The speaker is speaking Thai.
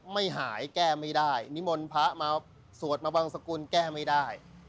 ไม่หายแก้ไม่ได้นิมนต์พระมาสวดมาบังสกุลแก้ไม่ได้